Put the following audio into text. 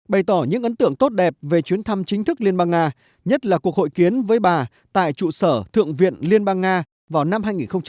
bày tỏ những ấn tượng tốt đẹp về chuyến thăm chính thức liên bang nga nhất là cuộc hội kiến với bà tại trụ sở thượng viện liên bang nga vào năm hai nghìn hai mươi